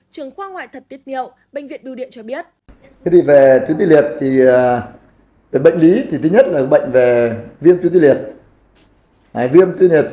trường khoa ngoại thật tiết nhiệu bệnh viện bưu điện cho biết